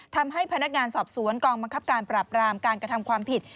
ทำให้พนักงานสอบสวนกองบังคับการปราบรามการกระทำความผิด